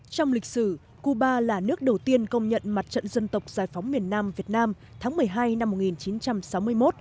trong lịch sử cuba là nước đầu tiên công nhận mặt trận dân tộc giải phóng miền nam việt nam tháng một mươi hai năm một nghìn chín trăm sáu mươi một